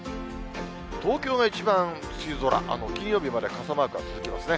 東京が一番梅雨空、金曜日まで傘マークが続きますね。